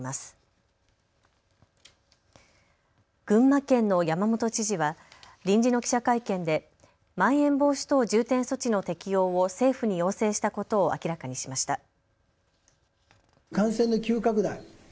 群馬県の山本知事は臨時の記者会見でまん延防止等重点措置の適用を政府に要請したことを明らかにしました。